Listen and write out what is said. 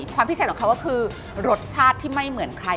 ความพิเศษของเขาก็คือรสชาติที่ไม่เหมือนใคร